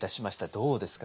どうですか？